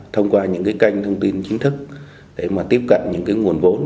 thông qua những cái kênh thông tin chính thức để mà tiếp cận những cái nguồn vốn